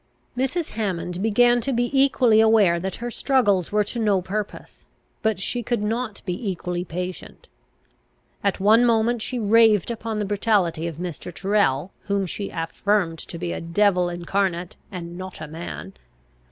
Mrs. Hammond began to be equally aware that her struggles were to no purpose; but she could not be equally patient. At one moment she raved upon the brutality of Mr. Tyrrel, whom she affirmed to be a devil incarnate, and not a man.